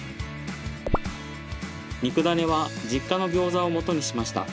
肉ダネは実家のギョーザをもとにしました。